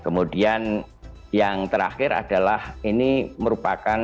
kemudian yang terakhir adalah ini merupakan